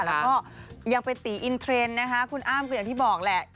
แล้วก็ยังไปตีอินเทรนด์นะคะคุณอ้ามก็อย่างที่บอกแหละ